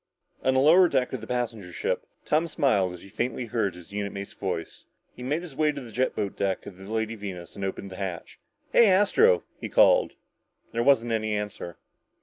On the lower deck of the passenger ship, Tom smiled as he faintly heard his unit mate's voice. He made his way to the jet boat deck of the Lady Venus and opened the hatch. "Hey, Astro," he called. There wasn't any answer.